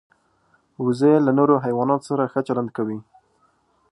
وزې له نورو حیواناتو سره ښه چلند کوي